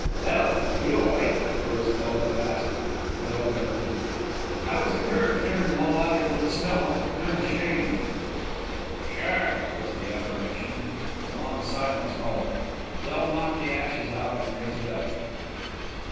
"Del! Are you awake?" Corliss called at last. Del grunted. "I was a cur to turn them out into the snow. I am ashamed." "Sure," was the affirmation. A long silence followed. Del knocked the ashes out and raised up.